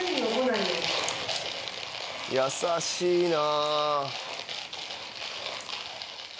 優しいな。